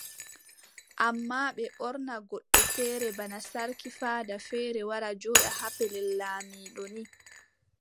Ammaa ɓe ɓorna goɗɗo feere bana sarki faada feere wara jooɗa haa pellel laamiiɗo ni.